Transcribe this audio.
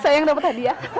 sayang dapat hadiah